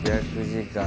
１，８００時間。